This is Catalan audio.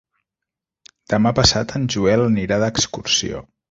Demà passat en Joel anirà d'excursió.